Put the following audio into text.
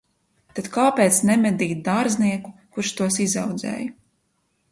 Tad kāpēc nemedīt dārznieku, kurš tos izaudzēja?